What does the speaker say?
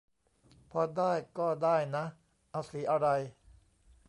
พอได้ก็ด้ายนะ เอาสีอะไร